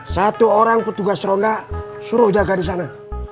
satu orang petugas ronda suruh jaga di sana